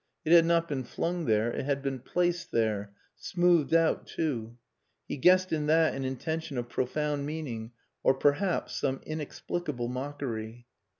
It had not been flung there. It had been placed there smoothed out, too! He guessed in that an intention of profound meaning or perhaps some inexplicable mockery.